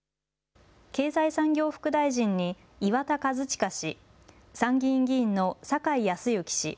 経済産業副大臣に岩田和親氏、参議院議員の酒井庸行氏。